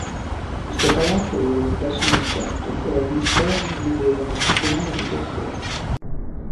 Questo palazzo era in pessimo stato e all'interno vivevano centinaia di persone.